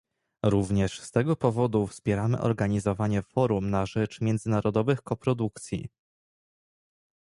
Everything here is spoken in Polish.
Również z tego powodu wspieramy organizowanie forum na rzecz międzynarodowych koprodukcji